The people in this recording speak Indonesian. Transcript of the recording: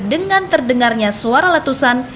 dengan terdengarnya suara latusan